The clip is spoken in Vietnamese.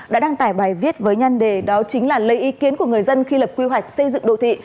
đã đăng tải bài viết với nhân đề đó chính là lấy ý kiến của người dân khi lập quy hoạch xây dựng đô thị